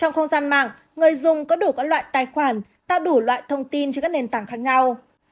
trong không gian mạng người dùng có đủ các loại tài khoản tạo đủ loại thông tin trên các nền tảng khác nhau